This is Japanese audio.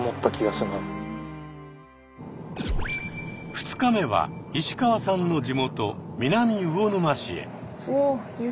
２日目は石川さんの地元南魚沼市へ。